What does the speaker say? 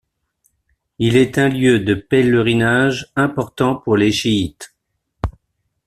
Il est l'un lieu de pèlerinage important pour les chiites.